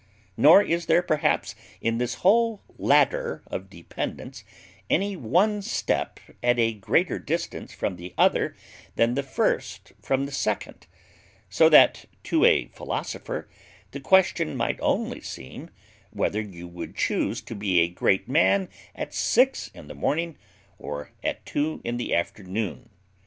Nor is there, perhaps, in this whole ladder of dependance, any one step at a greater distance from the other than the first from the second; so that to a philosopher the question might only seem, whether you would chuse to be a great man at six in the morning, or at two in the afternoon.